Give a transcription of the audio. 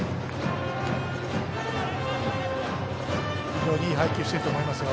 非常にいい配球をしていると思いますよ。